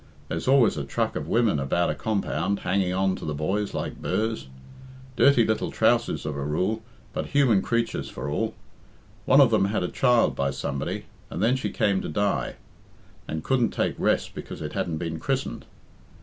There's always a truck of women about a compound, hanging on to the boys like burrs. Dirty little trousses of a rule, but human creatures for all. One of them had a child by somebody, and then she came to die, and couldn't take rest because it hadn't been christened.